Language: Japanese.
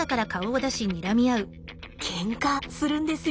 ケンカするんですよ